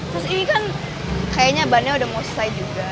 terus ini kan kayaknya bannya udah mau selesai juga